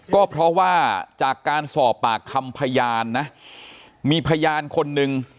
ก็เพราะว่าจากการสอบปากคำพยานนะมีพยานคนหนึ่ง